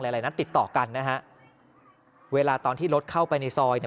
อะไรนั้นติดต่อกันนะฮะเวลาตอนที่รถเข้าไปในซอยเนี่ย